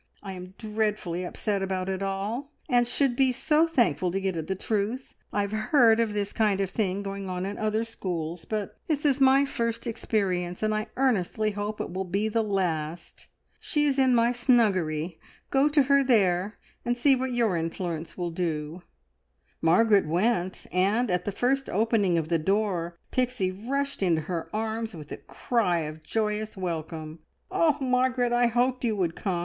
I am dreadfully upset about it all, and should be so thankful to get at the truth. I have heard of this kind of thing going on in other schools, but this is my first experience, and I earnestly hope it will be the last. She is in my snuggery. Go to her there, and see what your influence will do!" Margaret went, and, at the first opening of the door, Pixie rushed into her arms with a cry of joyous welcome. "Oh, Margaret, I hoped you would come!